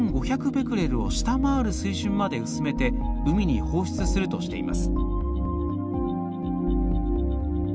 ベクレルを下回る水準まで薄めて海に放出するとしています。